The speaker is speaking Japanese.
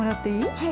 はい！